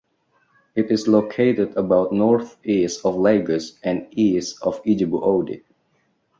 It is located about northeast of Lagos and east of Ijebu Ode.